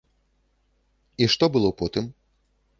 І што было потым?